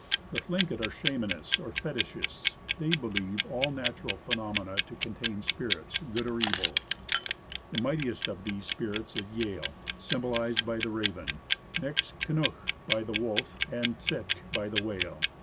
The Thlinket are schamdnists or fetichists ; they believe all natural phenomena to contain spirits, good or evil. The mightiest of these spirits is Yehl, symbolized by the raven ; next Kanukh, by the wolf; and Tset'kh, by the whale.